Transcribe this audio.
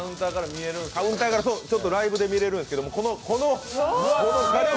カウンターからライブで見れるんですけど、これ。